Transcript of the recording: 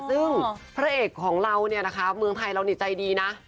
ซึ่งพระเอกของเราเนี่ยนะคะเมืองไทยเรานี่ใจดีนะ